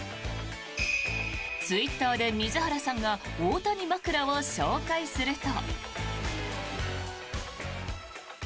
ツイッターで水原さんが大谷枕を紹介すると。